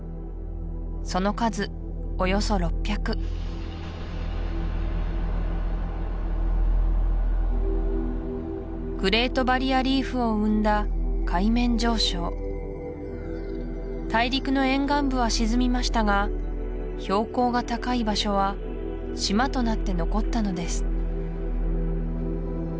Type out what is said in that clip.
その数およそ６００グレート・バリア・リーフを生んだ海面上昇大陸の沿岸部は沈みましたが標高が高い場所は島となって残ったのです